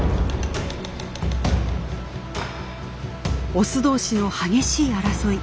オス同士の激しい争い。